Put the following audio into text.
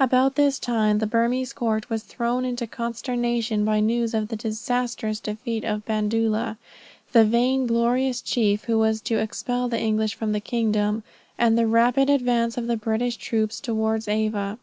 About this time the Burmese court was thrown into consternation by news of the disastrous defeat of Bandoola, the vain glorious chief who was to expel the English from the kingdom; and the rapid advance of the British troops towards Ava.